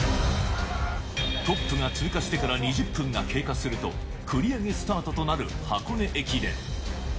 トップが通過してから２０分が経過すると、繰り上げスタートとなる箱根駅伝。